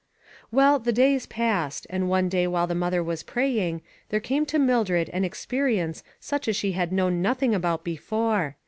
Well, the days passed, and one day while the mother was praying, there came to Mildred an experience such as she had known nothing about before.